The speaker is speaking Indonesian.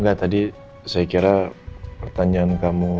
enggak tadi saya kira pertanyaan kamu